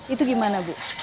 itu gimana ibu